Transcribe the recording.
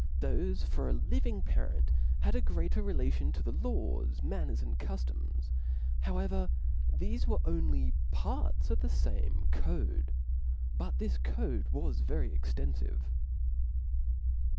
&^^»^^^^^^^^^ living parent had a greater re latioatothe laws, manners, and cuftoms : how ever thefe were only parts of the fame code; but this code was very cxtenfive.